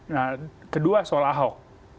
nah kedua soal ahok